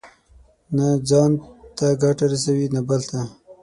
نه ځان ته ګټه رسوي، نه بل ته.